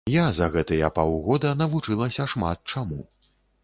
Я за гэтыя паўгода навучылася шмат чаму.